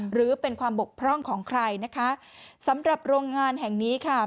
หรือเป็นความบกพร่องของใครนะคะสำหรับโรงงานแห่งนี้ค่ะ